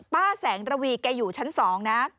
ป้าแสงระวีอยู่ชั้น๒